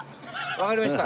わかりました。